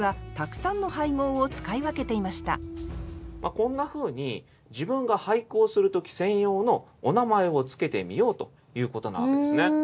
こんなふうに自分が俳句をする時専用のお名前を付けてみようということなわけですね。